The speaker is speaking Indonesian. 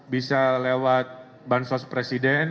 bisa lewat bansos presiden